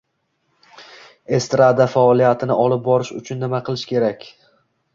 Estrada faoliyatini olib borish uchun nima qilish kerak?